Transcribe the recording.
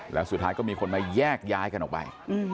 แล้วสุดท้ายก็มีคนมาแยกย้ายกันออกไป